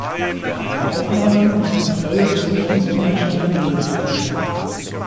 Bei der Aufnahme musste Treue zur Ordensgemeinschaft gelobt werden.